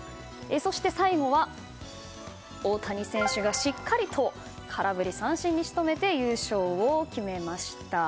そして最後は大谷選手がしっかりと空振り三振に仕留めて優勝を決めました。